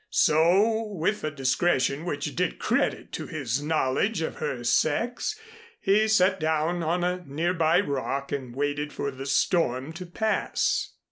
So, with a discretion which did credit to his knowledge of her sex, he sat down on a near by rock and waited for the storm to pass.